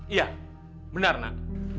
iya benar nak